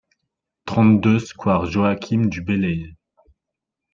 trente-deux square Joachim du Bellay